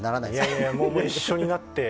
いやいや、一緒になって。